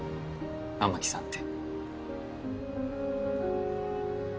雨樹さんって。